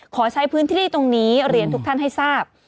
ขอใช้พื้นที่ตรงนี้เรียนทุกท่านให้ทราบ